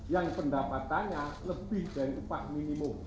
yang pendapatannya lebih dari upah minimum